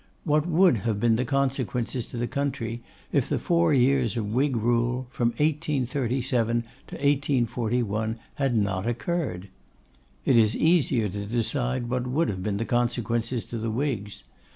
What would have been the consequences to the country, if the four years of Whig rule, from 1837 to 1841, had not occurred? It is easier to decide what would have been the consequences to the Whigs.